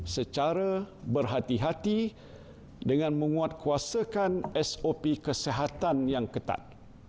secara berhati hati dengan menguatkuasakan sop kesehatan yang ketat